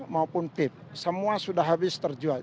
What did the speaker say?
maupun tip semua sudah habis terjual